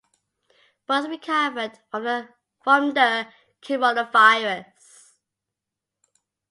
Both recovered from the coronavirus.